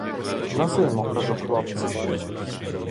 На зиму кажу хлопцям: